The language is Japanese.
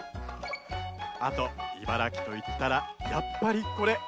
あと茨城といったらやっぱりこれ。